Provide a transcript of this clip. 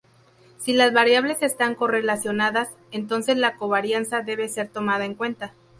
Si las variables están correlacionadas, entonces la covarianza debe ser tomada en cuenta.